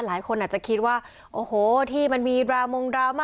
หลายคนอาจจะคิดว่าโอ้โหที่มันมีดรามงดราม่า